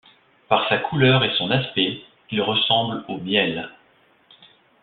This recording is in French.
Par sa couleur et son aspect, il ressemble au miel.